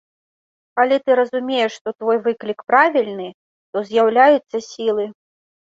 Калі ты разумееш, што твой выклік правільны, то з'яўляюцца сілы.